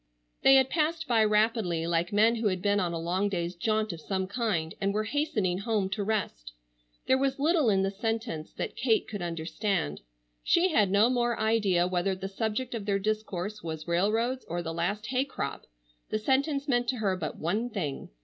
They had passed by rapidly, like men who had been on a long day's jaunt of some kind and were hastening home to rest. There was little in the sentence that Kate could understand. She had no more idea whether the subject of their discourse was railroads or the last hay crop. The sentence meant to her but one thing.